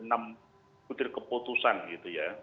enam butir keputusan gitu ya